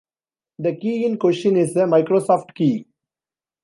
The key in question is a Microsoft key.